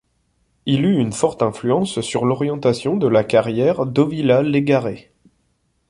Il eut une forte influence sur l'orientation de la carrière d'Ovila Légaré.